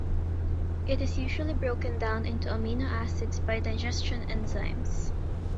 It is usually broken down into amino acids by digestion enzymes.